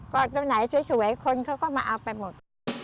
ก็ตรงไหนสวยคนเขาก็มาเอาไปหมด